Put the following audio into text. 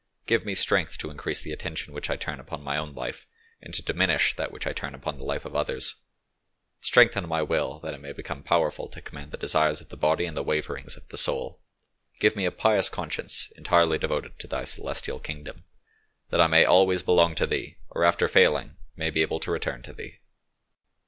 Give me strength to increase the attention which I turn upon my own life, and to diminish that which I turn upon the life of others; strengthen my will that it may become powerful to command the desires of the body and the waverings of the soul; give me a pious conscience entirely devoted to Thy celestial kingdom, that I may always belong to Thee, or after failing, may be able to return to Thee."